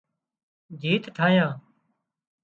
جيت ٺاهيان